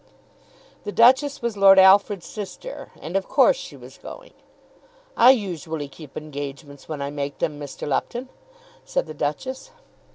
The Duchess was Lord Alfred's sister, and of course she was going. "I usually keep engagements when I make them, Mr. Lupton," said the Duchess.